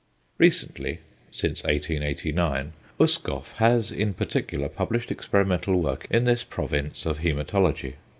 Recently (since 1889) Uskoff has in particular published experimental work in this province of hæmatology.